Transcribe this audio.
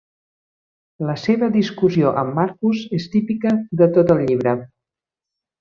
La seva discussió amb Marcus és típica de tot el llibre.